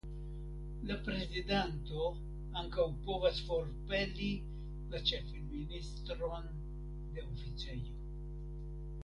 La prezidanto ankaŭ povas forpeli la ĉefministron de oficejo.